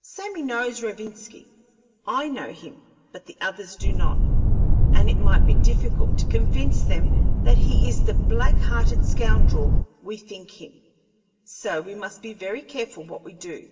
Sammy knows Rovinski, I know him, but the others do not, and it might be difficult to convince them that he is the black hearted scoundrel we think him; so we must be very careful what we do."